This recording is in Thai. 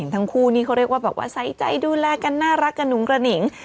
ทั้งคู่นี้เขาเรียกว่าแบบว่าใส่ใจดูแลกันน่ารักกระหุงกระหนิง